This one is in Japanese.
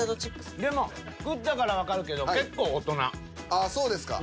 でも食ったからわかるけどああそうですか。